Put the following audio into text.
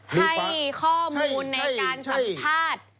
ให้ข้อมูลในการสัมภาษณ์